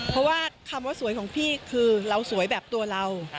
เพราะว่าคำว่าสวยของพี่คือเราสวยแบบตัวเรา